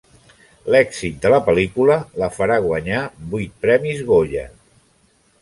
L'èxit de la pel·lícula la farà guanyar vuit Premis Goya.